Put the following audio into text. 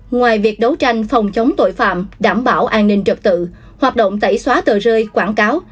ngoài việc đấu tranh phòng chống tội phạm đảm bảo an ninh trật tự hoạt động tẩy xóa tờ rơi quảng cáo